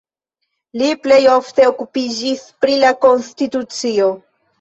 Li plej ofte okupiĝis pri la konstitucio.